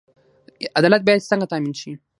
عدالت باید څنګه تامین شي؟